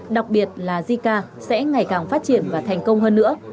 đặc biệt là jica sẽ ngày càng phát triển và thành công hơn nữa